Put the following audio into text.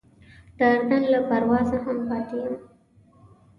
د اردن له پروازه هم پاتې یم.